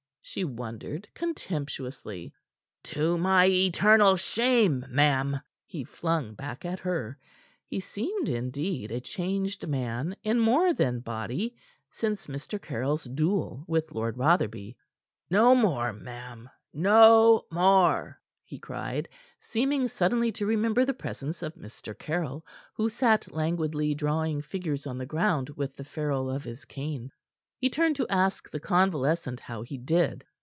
she wondered contemptuously. "To my eternal shame, ma'am!" he flung back at her. He seemed, indeed, a changed man in more than body since Mr. Caryll's duel with Lord Rotherby. "No more, ma'am no more!" he cried, seeming suddenly to remember the presence of Mr. Caryll, who sat languidly drawing figures on the ground with the ferrule of his cane. He turned to ask the convalescent how he did.